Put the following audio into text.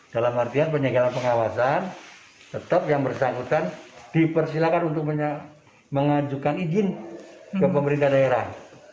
dalam artian penyegelan pengawasan tetap yang bersangkutan dipersilakan untuk mengajukan izin ke pemerintah daerah